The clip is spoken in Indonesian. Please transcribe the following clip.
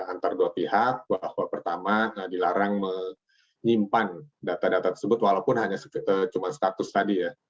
antara dua pihak bahwa pertama dilarang menyimpan data data tersebut walaupun hanya cuma status tadi ya